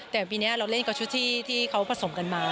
แต่ปีนี้เราเล่นกับชุดที่เขาผสมกันมา